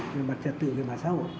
về mặt trật tự về mặt xã hội